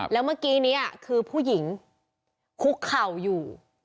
แล้วเมื่อกี้นี้คือผู้หญิงคุกเข่าอยู่